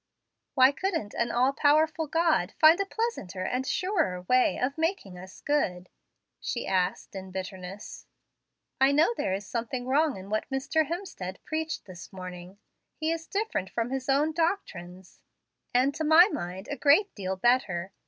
"Why couldn't an all powerful God find a pleasanter and surer way of making us good?" she asked in bitterness. "I know there is something wrong in what Mr. Hemstead preached this morning. He is different from his own doctrines, and to my mind a great deal better.